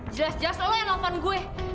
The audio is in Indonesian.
jelas jelas lo yang nelfon gue